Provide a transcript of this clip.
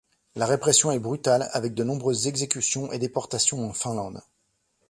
La répression est brutale, avec de nombreuses exécutions et déportations en Finlande.